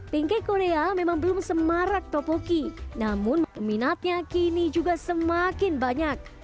pancake korea memang belum semarak topoki namun minatnya kini juga semakin banyak